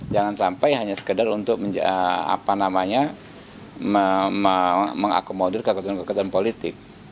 jangan sampai hanya sekedar untuk mengakomodir kekuatan kekuatan politik